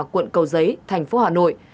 quận cầu giấy thành phố hà nội